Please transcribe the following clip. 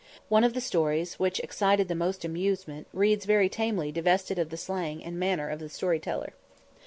One of the stories which excited the most amusement reads very tamely divested of the slang and manner of the story teller.